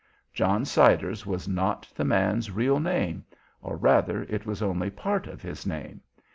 John Siders was not the man's real name, or, rather, it was only part of his name.